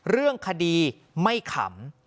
เรื่องคดีไม่ขำ